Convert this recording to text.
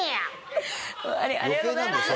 ありがとうございます！